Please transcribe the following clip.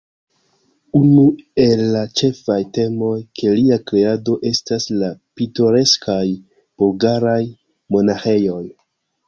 Unu el la ĉefaj temoj de lia kreado estas la pitoreskaj bulgaraj monaĥejoj.